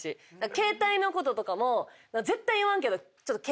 携帯のこととかも絶対言わんけど。